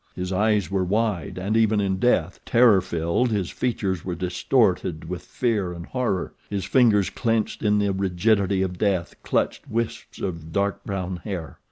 His eyes were wide and, even in death, terror filled, his features were distorted with fear and horror. His fingers, clenched in the rigidity of death, clutched wisps of dark brown hair.